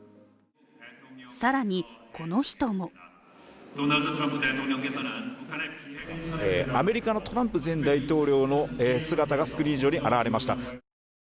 更に、この人もアメリカのトランプ前大統領の姿がスクリーン上に現れました。